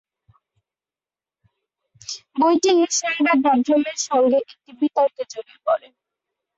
বইটি সংবাদমাধ্যমের সঙ্গে একটি বিতর্কে জড়িয়ে পড়ে।